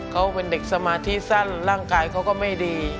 เขาเป็นเด็กสมาธิสั้นร่างกายเขาก็ไม่ดี